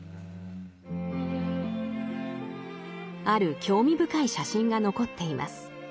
ある興味深い写真が残っています。